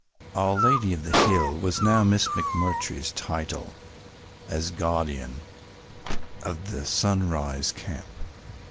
"Our Lady of the Hill" was now Miss McMurtry's title as guardian of the Sunrise Camp.